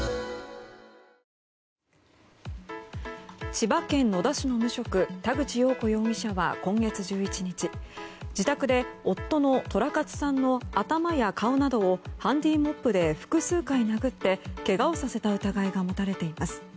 千葉県野田市の無職田口よう子容疑者は今月１１日、自宅で夫の寅勝さんの頭や顔などをハンディモップで複数回、殴ってけがをさせた疑いが持たれています。